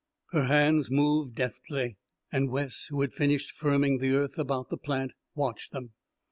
Her hands moved deftly, and Wes, who had finished firming the earth about the plant, watched them.